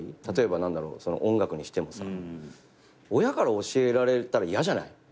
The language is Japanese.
例えば音楽にしてもさ親から教えられたら嫌じゃない？